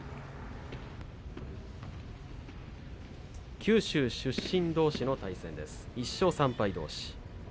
九州出身どうしの対戦になります１勝３敗どうしです。